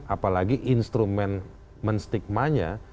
apalagi instrumen menstigmanya